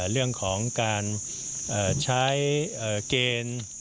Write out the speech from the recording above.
เรื่องของการใช้เกณฑ์